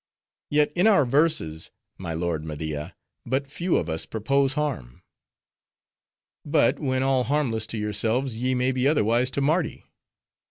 "Yet in our verses, my lord Media, but few of us purpose harm." "But when all harmless to yourselves, ye may be otherwise to Mardi."